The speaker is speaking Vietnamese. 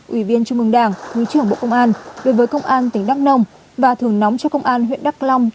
ủy viên trung ương đảng nguyên trưởng bộ công an đối với công an tỉnh đắk nông và thường nóng cho công an huyện đắk nông